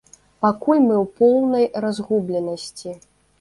Пакуль мы ў поўнай разгубленасці.